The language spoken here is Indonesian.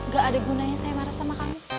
gak ada gunanya saya marah sama kamu